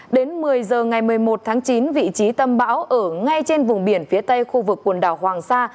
đến một mươi giờ ngày một mươi một tháng chín vị trí tâm bão ở ngay trên vùng biển phía tây khu vực quần đảo hoàng sa